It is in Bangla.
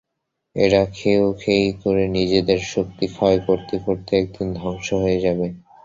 এরা খেয়োখেয়ি করে নিজেদের শক্তি ক্ষয় করতে করতে একদিন ধ্বংস হয়ে যাবে।